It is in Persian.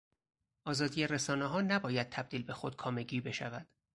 آزادی رسانهها نباید تبدیل به خود کامگی بشود.